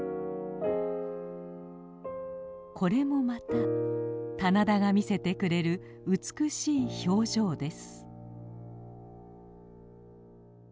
これもまた棚田が見せてくれる美しい表情です。